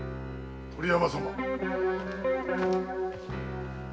・鳥山様。